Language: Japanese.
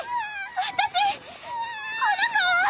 私この子は。